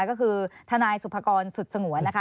ก็คือทนายสุภกรสุดสงวนนะคะ